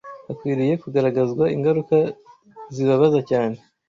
Hakwiriye kugaragazwa ingaruka zibabaza cyane